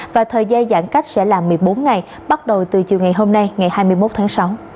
và thời gian giãn cách sẽ là một mươi bốn ngày bắt đầu từ chiều ngày hôm nay ngày hai mươi một tháng sáu